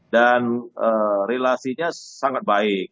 dan relasinya sangat baik